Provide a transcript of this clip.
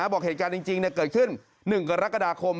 บอกเหตุการณ์จริงเกิดขึ้น๑กรกฎาคม